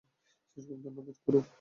ধন্যবাদ, কুরুপ।